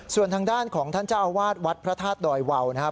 ส่วนทางด้านของท่านเจ้าอาวาสวัดพระธาตุดอยวาวนะครับ